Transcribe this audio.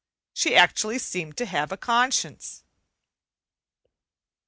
She actually seemed to have a conscience.